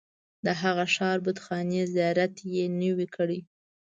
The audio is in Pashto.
د هغه ښار بتخانې زیارت یې نه وي کړی.